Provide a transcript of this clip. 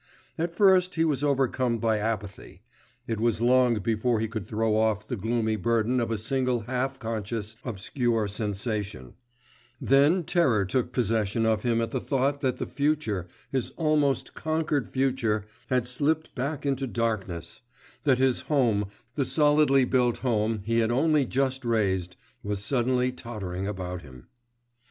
At first he was overcome by apathy; it was long before he could throw off the gloomy burden of a single half conscious, obscure sensation; then terror took possession of him at the thought that the future, his almost conquered future, had slipped back into the darkness, that his home, the solidly built home he had only just raised, was suddenly tottering about him....